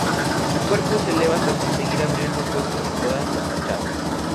Su cuerpo se eleva hasta conseguir abrir los huecos en todas las fachadas.